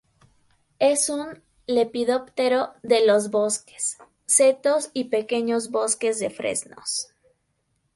Es un lepidóptero de los bosques, setos y pequeños bosques de fresnos.